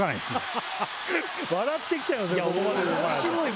ハハハ笑ってきちゃいますね